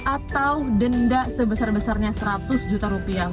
atau denda sebesar besarnya seratus juta rupiah